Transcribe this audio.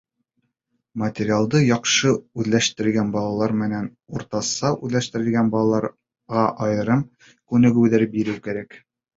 Материалды яҡшы үҙләштергән балалар менән уртаса үҙләштергән балаларға айырым күнегеүҙәр биреү кәрәк.